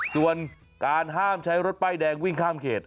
ส่วนการห้ามใช้รถป้ายแดงวิ่งข้ามเขต